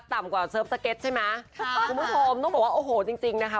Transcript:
ต่ำกว่าเซิร์ฟสเก็ตใช่ไหมค่ะคุณผู้ชมต้องบอกว่าโอ้โหจริงจริงนะคะ